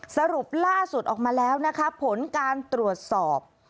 สรุปล่าสุดออกมาแล้วนะคะผลการตรวจสอบ